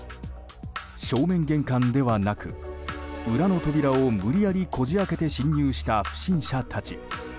正面玄関ではなく裏の扉を無理やりこじ開けて侵入した不審者たち。